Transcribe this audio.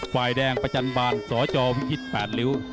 ฝ่ายแดงประจันบานสจวิคิษแปดลิ้ว